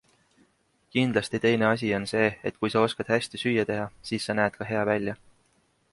Kindlasti teine asi on see, et kui sa oskad hästi süüa teha, siis sa näed ka hea välja.